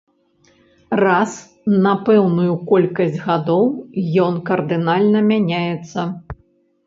Раз на пэўную колькасць гадоў ён кардынальна мяняецца.